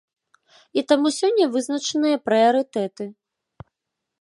І таму сёння вызначаныя прыярытэты.